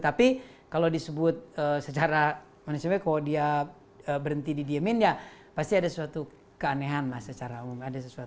tapi kalau disebut secara manusia kalau dia berhenti didiamkan ya pasti ada suatu keanehan lah secara umum